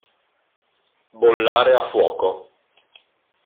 Bollare a fuoco.